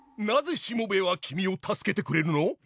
なぜしもべえは君を助けてくれるの？